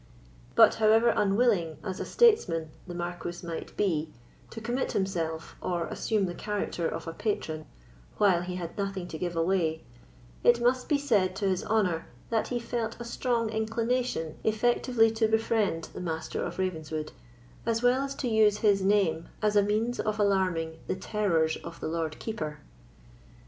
But however unwilling, as a statesman, the Marquis might be to commit himself, or assume the character of a patron, while he had nothing to give away, it must be said to his honour that he felt a strong inclination effectually to befriend the Master of Ravenswood, as well as to use his name as a means of alarming the terrors of the Lord Keeper.